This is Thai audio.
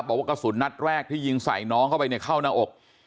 บอกว่ากระสุนนัดแรกที่ยิงใส่น้องเข้าไปเนี่ยเข้าหน้าอก